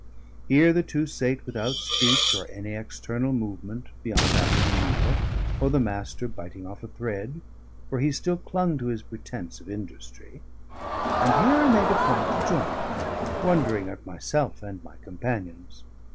Here the two sate without speech or any external movement, beyond that of the needle, or the Master biting off a thread, for he still clung to his pretence of industry; and here I made a point to join them, wondering at myself and my companions.